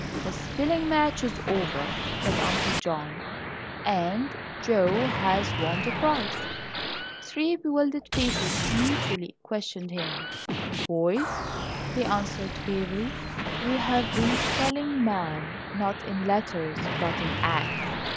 "The spelling match is over," said Uncle John, "and Joe has won the prize." Three bewildered faces mutely questioned him. "Boys," he answered, gravely, "we've been spelling 'man,' not in letters, but in acts.